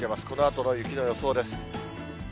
このあとの雪の予想です。